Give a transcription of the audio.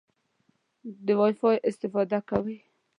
د وای فای استفاده کوئ؟